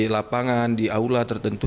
lapangan di aula tertentu